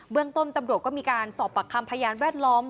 เรื่องต้นตำรวจก็มีการสอบปากคำพยานแวดล้อม